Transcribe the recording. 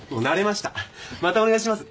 またお願いします。